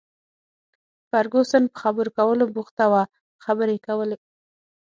فرګوسن په خبرو کولو بوخته وه، خبرې یې کولې.